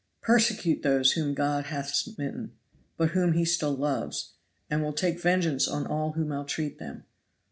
persecute those whom God hath smitten, but whom He still loves, and will take vengeance on all who maltreat them.